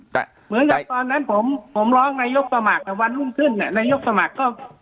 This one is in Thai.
เหมือนกับตอนนั้นผมผมร้องนายกสมัครแต่วันรุ่งขึ้นนายกสมัครก็